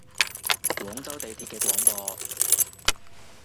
廣州地鐵嘅廣播